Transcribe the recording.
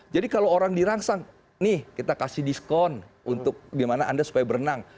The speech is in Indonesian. jadi kalau orang dirangsang nih kita kasih discount untuk gimana anda supaya berenang